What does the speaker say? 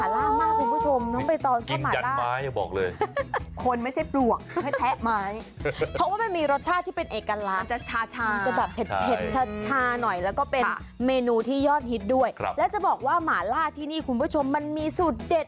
และแบบว่าหมาล่าวินเตอร์ที่นี่มันมีสุดเด็ด